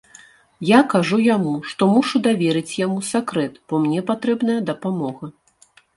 Я кажу яму, што мушу даверыць яму сакрэт, бо мне патрэбная дапамога.